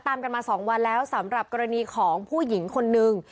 ตามกันมา๒วันแล้วสำหรับกรณีของผู้หญิงคนนึง